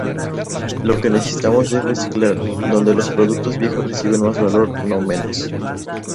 Lo que necesitamos es reciclar, donde los productos viejos reciben más valor, no menos.